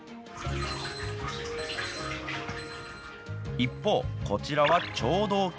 一方、こちらは聴導犬。